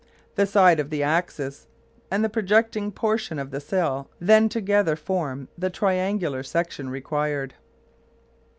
The side of the axis and the projecting portion of the sail then together form the triangular section required.